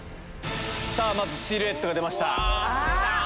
さぁまずシルエットが出ました。